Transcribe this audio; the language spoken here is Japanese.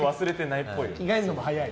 着替えるのも早い。